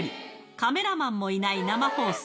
カメラマンもいない生放送。